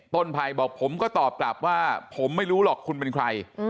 ภัยบอกผมก็ตอบกลับว่าผมไม่รู้หรอกคุณเป็นใคร